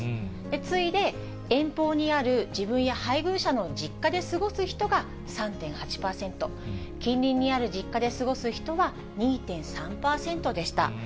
次いで遠方にある自分や配偶者の実家で過ごす人が３．８％、近隣にある実家で過ごす人は２．３％でした。